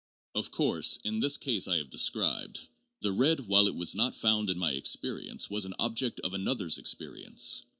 Of course, in this case I have described, the red, while it was not found in my experience, was an object of another's experience.